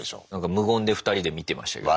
無言で２人で見てましたけど。